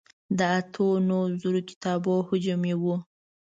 د اتو نهو زرو کتابو حجم یې و.